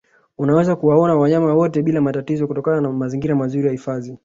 Unaweza kuwaona wanyama wote bila matatizo kutokana na mazingira mazuri ya hifadhi